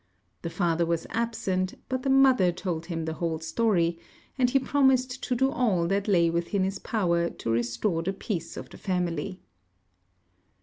The father was absent; but the mother told him the whole story, and he promised to do all that lay within his power to restore the peace of the family.